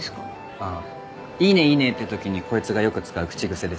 ああ「いいねいいね」って時にこいつがよく使う口癖です。